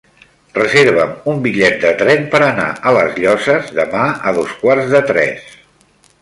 Reserva'm un bitllet de tren per anar a les Llosses demà a dos quarts de tres.